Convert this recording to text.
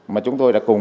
mà chúng tôi đã cùng